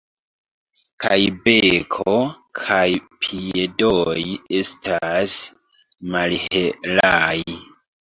Kaj beko kaj piedoj estas malhelaj.